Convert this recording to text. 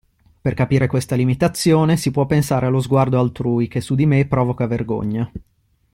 Per capire questa limitazione si può pensare allo sguardo altrui che su di me provoca vergogna.